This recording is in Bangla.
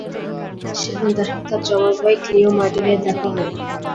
সেখানে তার সাথে তার যমজ ভাই ক্লিও মার্টিনের দেখা হয়।